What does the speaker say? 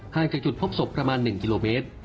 จากจุดพบศพประมาณ๑กิโลเมตร